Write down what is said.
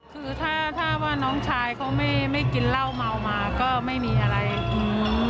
คือถ้าถ้าว่าน้องชายเขาไม่ไม่กินเหล้าเมามาก็ไม่มีอะไรอืม